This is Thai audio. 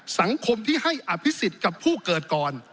สังคมที่ให้อภิษฎกับผู้เกิดก่อน